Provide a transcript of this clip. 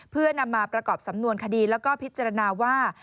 เพื่อนำมาประกอบสำนวนคดีแล้วก็พิจารณาว่า